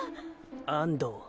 安藤